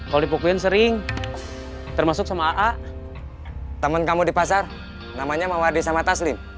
kalau dipukulin sering termasuk sama a teman kamu di pasar namanya mawar di sama taslim